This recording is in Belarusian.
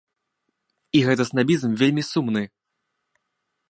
І гэты снабізм вельмі сумны.